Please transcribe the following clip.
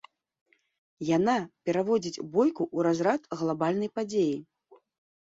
Яна пераводзіць бойку ў разрад глабальнай падзеі.